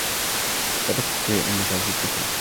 فَذَكِّرْ إِن نَّفَعَتِ الذِّكْرَىٰ